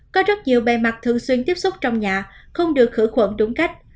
có rất nhiều bề mặt thường xuyên tiếp xúc trong nhà không được khử khuẩn đúng cách